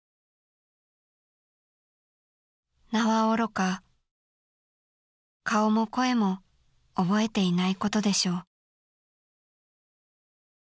［「名はおろか顔も声も憶えていないことでしょう」］